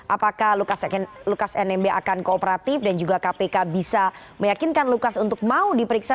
apakah lukas nmb akan kooperatif dan juga kpk bisa meyakinkan lukas untuk mau diperiksa